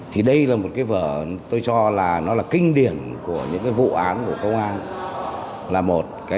thì đây là một cái vở tôi cho là nó là kinh điển của những cái vụ án của công an là một cái